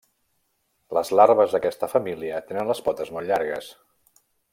Les larves d'aquesta família tenen les potes molt llargues.